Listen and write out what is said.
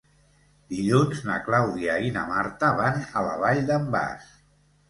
Dilluns na Clàudia i na Marta van a la Vall d'en Bas.